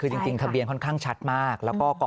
คือจริงทะเบียนค่อนข้างชัดมาก